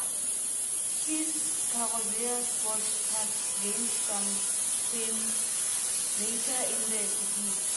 His Carrozzeria Sports Cars gained some fame later in the decade.